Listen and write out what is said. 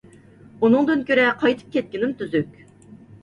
ئۇنىڭدىن كۆرە قايتىپ كەتكىنىم تۈزۈك.